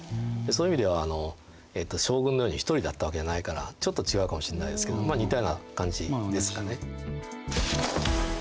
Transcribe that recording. そういう意味では将軍のように一人だったわけじゃないからちょっと違うかもしれないですけど似たような感じですかね。